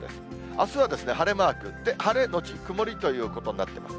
あすは晴れマーク、晴れ後曇りということになっています。